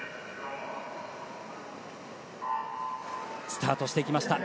スタートしていきました。